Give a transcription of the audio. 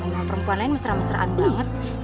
nah perempuan lain mesra mesraan banget